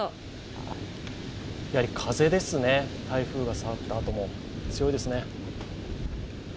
やはり風ですね、台風が去ったあとも強いですね。